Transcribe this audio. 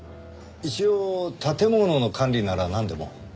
一応建物の管理ならなんでも。